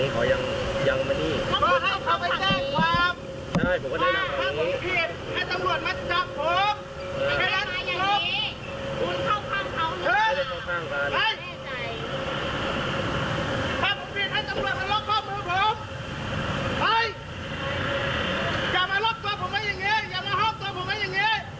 ขึ้น